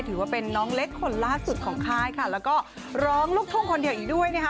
ถือว่าเป็นน้องเล็กคนล่าสุดของค่ายค่ะแล้วก็ร้องลูกทุ่งคนเดียวอีกด้วยนะคะ